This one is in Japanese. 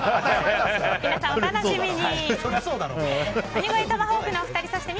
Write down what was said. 皆さん、お楽しみに！